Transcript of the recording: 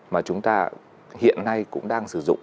mà chúng ta hiện nay cũng đang sử dụng